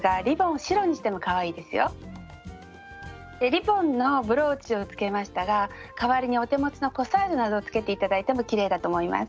リボンのブローチをつけましたら代わりにお手持ちのコサージュなどをつけて頂いてもきれいだと思います。